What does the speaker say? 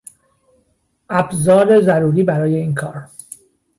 ابزار ضروری برای این کار